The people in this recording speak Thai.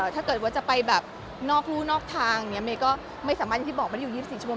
ถ้าเกิดว่าจะไปแบบนอกรู่นอกทางอย่างนี้เมย์ก็ไม่สามารถอย่างที่บอกไม่ได้อยู่๒๔ชั่ว